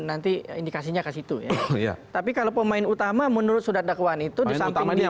nanti indikasinya ke situ ya tapi kalau pemain utama menurut surat dakwaan itu disampingnya